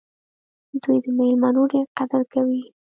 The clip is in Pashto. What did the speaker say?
دوی د میلمنو ډېر قدر کوي.